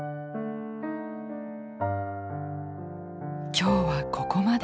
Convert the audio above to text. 今日はここまで。